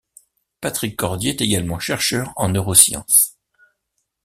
Patrick Cordier est également chercheur en neurosciences.